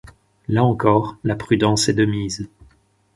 Là encore, la prudence est de mise.